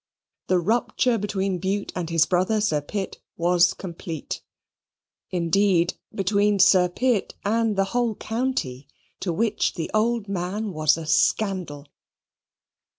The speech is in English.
The rupture between Bute and his brother Sir Pitt was complete; indeed, between Sir Pitt and the whole county, to which the old man was a scandal.